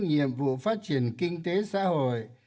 nhiệm vụ phát triển kinh tế xã hội